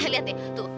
lihat ya tuh